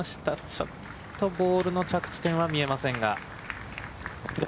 ちょっとボールの着地点は見えませんが。